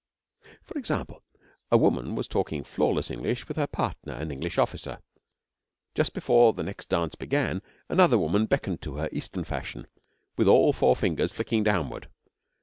For example, a woman was talking flawless English to her partner, an English officer. Just before the next dance began, another woman beckoned to her, Eastern fashion, all four fingers flicking downward.